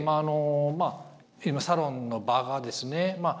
まあ今サロンの場がですね